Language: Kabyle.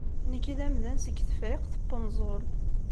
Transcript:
Nekk d amdan seg Tefriqt n Unẓul.